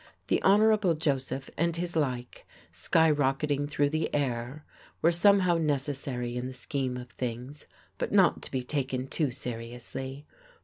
The Hon. Joseph and his like, skyrocketing through the air, were somehow necessary in the scheme of things, but not to be taken too seriously.